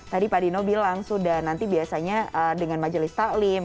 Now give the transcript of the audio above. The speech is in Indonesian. tadi pak dino bilang sudah nanti biasanya dengan majelis taklim